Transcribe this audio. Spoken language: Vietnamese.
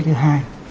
ý nghĩa thứ hai